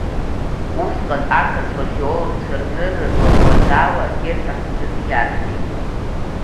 Усҟан ақырҭуа археологцәа рнырра злаӷәӷәаз ала Гер ҳәа хьӡыс иарҭеит.